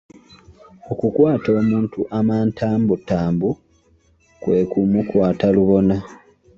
Okukwata omuntu amantambutambu kwe ku mukwata lubona.